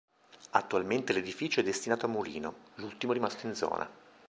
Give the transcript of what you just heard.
Attualmente l'edificio è destinato a mulino, l'ultimo rimasto in zona.